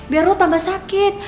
biar lo tambah sakit